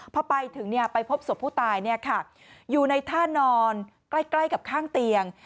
พอไปถึงไปพบศพผู้ตายอยู่ในท่านอนใกล้กับข้างเตียง